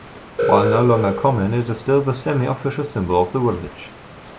While no longer common it is still the semi-official symbol of the village.